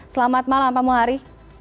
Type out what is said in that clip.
selamat malam pak muhari